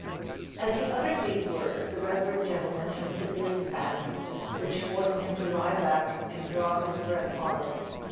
As he uttered these words the reverend gentleman had a severe spasm which forced him to lie back and draw his breath hard.